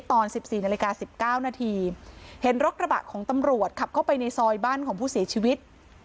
ตอน๑๔นาฬิกา๑๙นาทีเห็นรถกระบะของตำรวจขับเข้าไปในซอยบ้านของผู้เสียชีวิต